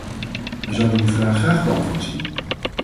We zouden die vraag graag beantwoord zien.